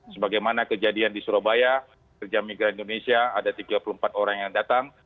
sebagaimana kejadian di surabaya kerja migran indonesia ada tiga puluh empat orang yang datang